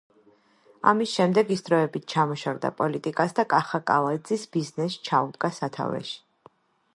ამის შემდეგ ის დროებით ჩამოშორდა პოლიტიკას და კახა კალაძის ბიზნესს ჩაუდგა სათავეში.